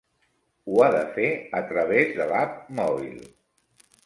Ho ha de fer a través de l'App mòbil.